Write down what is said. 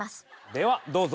ではどうぞ。